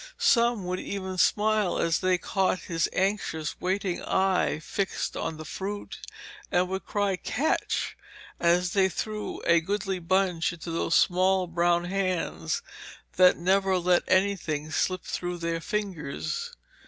Some would even smile as they caught his anxious, waiting eye fixed on the fruit, and would cry 'Catch' as they threw a goodly bunch into those small brown hands that never let anything slip through their fingers.